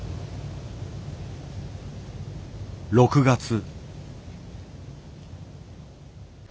６月。